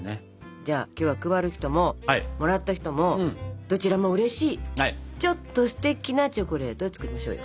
じゃあ今日は配る人ももらった人もどちらもうれしいちょっとステキなチョコレートを作りましょうよ。